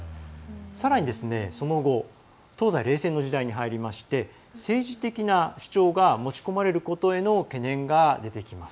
さらに、その後東西冷戦の時代に入りまして政治的な主張が持ち込まれることへの懸念が出てきます。